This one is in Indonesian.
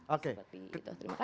oke terima kasih